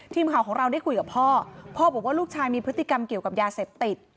ทีมข่าวของเราได้คุยกับพ่อพ่อบอกว่าลูกชายมีพฤติกรรมเกี่ยวกับยาเสพติด